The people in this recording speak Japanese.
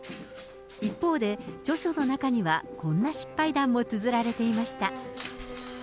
一方で、著書の中にはこんな失敗談もつづられていました。